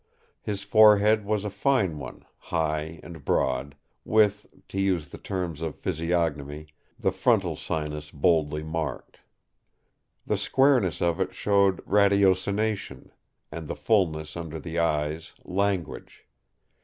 His forehead was a fine one, high and broad; with, to use the terms of physiognomy, the frontal sinus boldly marked. The squareness of it showed "ratiocination"; and the fulness under the eyes "language".